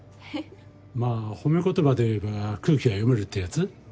まあ褒め言葉で言えば空気が読めるってやつ？